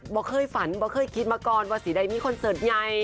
เคยฝันบอกเคยคิดมาก่อนว่าสีใดมีคอนเสิร์ตใหญ่